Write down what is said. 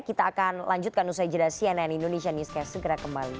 kita akan lanjutkan usai jeda cnn indonesia newscast segera kembali